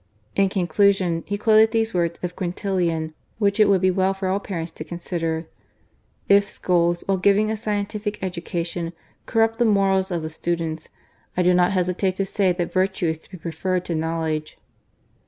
In conclusion, he quoted these words of Quintilian, which it would be well for all parents to consider :" If schools, while giving a scientific education, corrupt the morals of the students, I do not hesitate to say that virtue is to be preferred to knowledge."